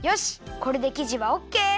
これできじはオッケー！